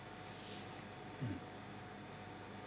うん。